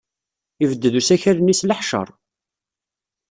Yebded usakal-nni s leḥceṛ.